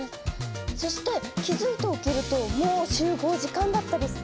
そして気づいておきるともう集合時間だったりして。